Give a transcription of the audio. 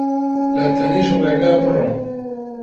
لە تەنیشت ڕێگا بڕۆ